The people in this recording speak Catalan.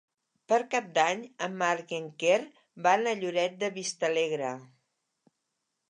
Per Cap d'Any en Marc i en Quer van a Lloret de Vistalegre.